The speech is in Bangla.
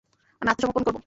আমি আত্মসমর্পণ করব।